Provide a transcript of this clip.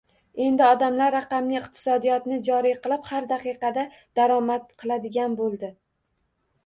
Endi odamlar raqamli iqtisodiyotni joriy qilib, har daqiqada daromad qiladigan boʻldi.